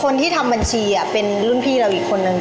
คนที่ทำบัญชีเป็นรุ่นพี่เราอีกคนนึง